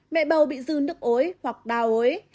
mẹ bầu bị dư nước ối hoặc đào ối